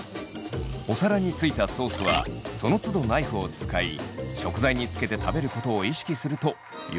お皿についたソースはそのつどナイフを使い食材につけて食べることを意識するとよりキレイに！